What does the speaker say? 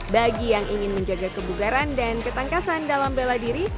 bagi yang ingin menjaga kebugaran dan ketangkasan dalam bela diri